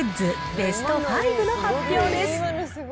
ベスト５の発表